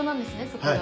そこが。